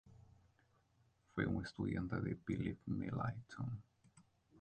Fue un estudiante de Philipp Melanchthon.